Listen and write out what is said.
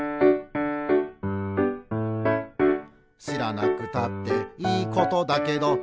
「しらなくたっていいことだけど」